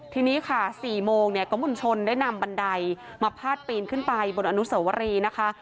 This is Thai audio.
ทีนี้ค่ะ๔โมงเนี่ยก็มุนชนได้นำบันไดมาพาดปีนขึ้นไปบนอนุสวรีนะคะ